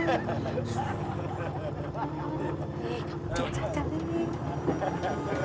eh kamu jangan